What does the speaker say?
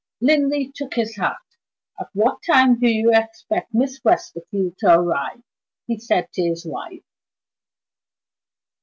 Linley took his hat. "At what time do you expect Miss Westerfield to arrive?" he said to his wife.